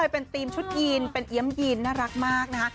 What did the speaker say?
เป็นทีมชุดยีนเป็นเอี๊ยมยีนน่ารักมากนะคะ